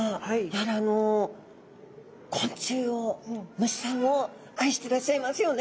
やはり昆虫を虫さんを愛してらっしゃいますよね。